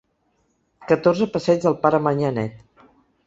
Catorze Passeig del Pare Manyanet.